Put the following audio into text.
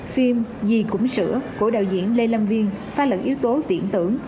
phim dì cũng sữa của đạo diễn lê lâm viên pha lật yếu tố tiện tưởng